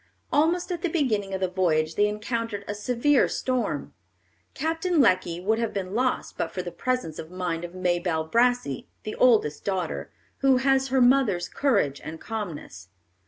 Almost at the beginning of the voyage they encountered a severe storm. Captain Lecky would have been lost but for the presence of mind of Mabelle Brassey, the oldest daughter, who has her mother's courage and calmness.